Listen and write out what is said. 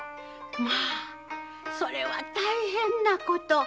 まぁそれは大変なこと。